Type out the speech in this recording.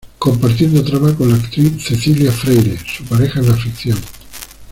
Compartiendo trama con la actriz Cecilia Freire, su pareja en la ficción.